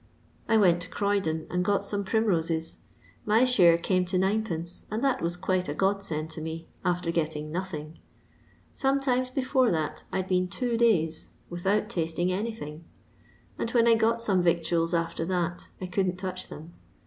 I went to Croydon and got some prim roses; my share came to 9d,, and that was quite a God send to me, after getting nothing. Sometimes beforo that I 'd been two days without tasting 76 LONDON LABOUR AND THE LONDON POOR. anything; and when I got some yictnals after that, I couldn't touch them.